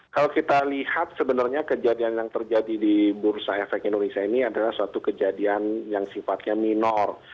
kalau kita lihat sebenarnya kejadian yang terjadi di bursa efek indonesia ini adalah suatu kejadian yang sifatnya minor